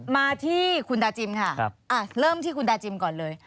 มาที่คุณดาจิมค่ะเริ่มที่คุณดาจิมก่อนเลย